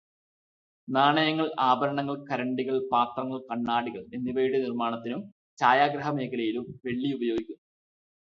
നാണയങ്ങൾ, ആഭരണങ്ങൾ, കരണ്ടികൾ, പാത്രങ്ങൾ, കണ്ണാടികൾ എന്നിവയുടെ നിർമ്മാണത്തിനും ഛായഗ്രഹണമേഖലയിലും വെള്ളി ഉപയോഗിക്കുന്നു